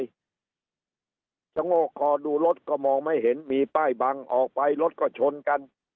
ชะโงกคอดูรถก็มองไม่เห็นมีป้ายบังออกไปรถก็ชนกัน